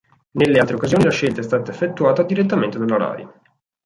Nelle altre occasioni la scelta è stata effettuata direttamente dalla Rai.